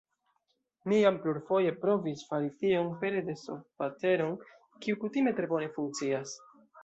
Mi jam plurfoje provis fari tion pere de softvareton, kiu kutime tre bone funkcias.